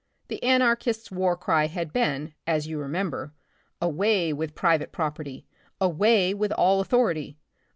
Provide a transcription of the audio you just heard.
The Anarchist's war cry had been, as you remember — Away with private property! away with all authority